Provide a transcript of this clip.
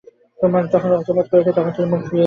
তোমার যখন রক্তপাত করিতে তখন তিনি মুখ ফিরাইয়া থাকিতেন।